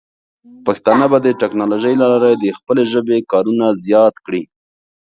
پښتانه به د ټیکنالوجۍ له لارې د خپلې ژبې کارونه زیات کړي.